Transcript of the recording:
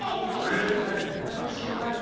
あっ言えるタイプですか？